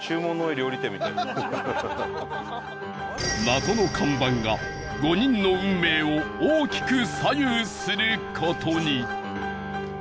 謎の看板が５人の運命を大きく左右する事に